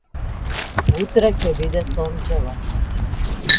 Утре ќе биде сончево.